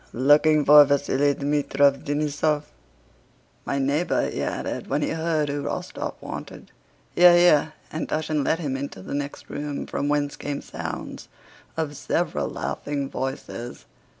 "Looking for Vasíli Dmítrich Denísov? My neighbor," he added, when he heard who Rostóv wanted. "Here, here," and Túshin led him into the next room, from whence came sounds of several laughing voices.